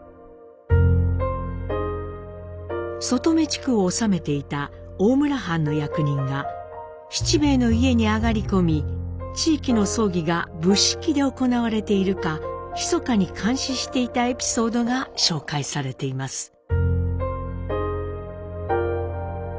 外海地区を治めていた大村藩の役人が七平の家に上がり込み地域の葬儀が仏式で行われているかひそかに監視していたエピソードが紹介されています。